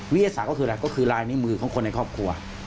วิทยาศาสตร์ก็คืออะไรก็คือลายนิ้วมือของคนในครอบครัว